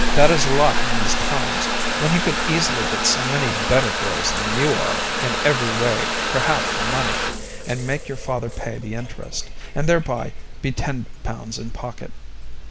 That is a lot in these times, when he could easily get so many better girls than you are in every way for half the money, and make your father pay the interest, and thereby be 10 pounds in pocket.